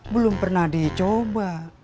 belum pernah dicoba